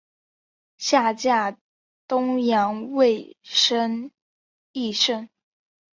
下嫁东阳尉申翊圣。